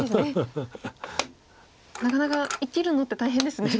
なかなか生きるのって大変ですね。